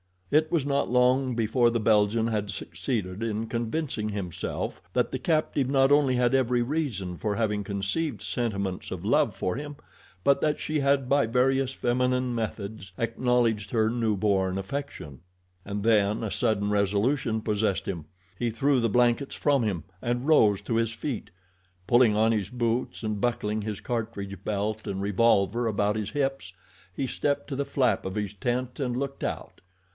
It was not long before the Belgian had succeeded in convincing himself that the captive not only had every reason for having conceived sentiments of love for him; but that she had by various feminine methods acknowledged her new born affection. And then a sudden resolution possessed him. He threw the blankets from him and rose to his feet. Pulling on his boots and buckling his cartridge belt and revolver about his hips he stepped to the flap of his tent and looked out.